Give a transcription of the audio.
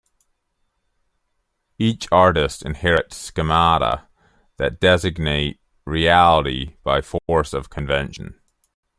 Each artist inherits '"schemata" that designate reality by force of convention'.